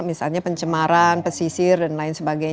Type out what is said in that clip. misalnya pencemaran pesisir dll